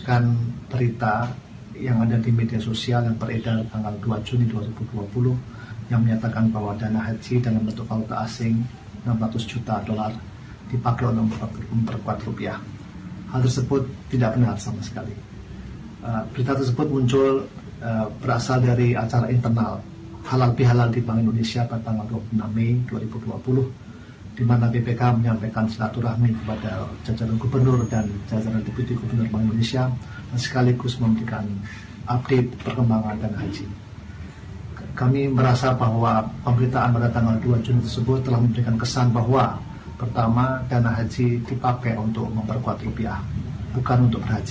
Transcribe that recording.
kami berkata bahwa dana haji di papel untuk memperkuat rupiah bukan untuk berhajian